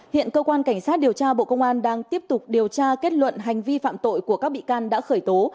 hiện cơ quan cảnh sát điều tra bộ công an đang tiếp tục điều tra kết luận hành vi phạm tội của các bị can đã khởi tố